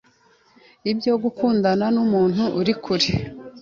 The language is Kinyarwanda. ibyo gukundana n’umuntu ukuri kure